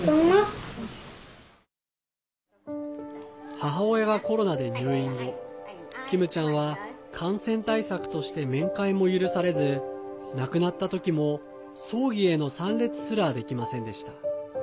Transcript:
母親がコロナで入院後キムちゃんは感染対策として面会も許されず亡くなった時も葬儀への参列すらできませんでした。